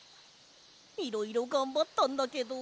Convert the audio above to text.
いろいろがんばったんだけど。